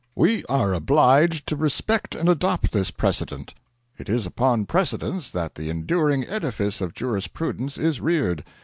We are obliged to respect and adopt this precedent. It is upon precedents that the enduring edifice of jurisprudence is reared.